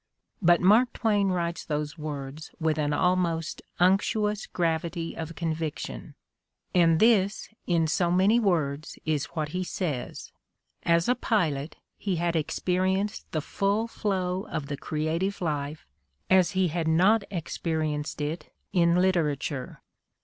But Mark Twain writes those words with an almost unctuous gravity of convic tion, and this, in so many words, is what he says : as a pilot he had experienced the full flow of the creative life as he had not experienced it in literature.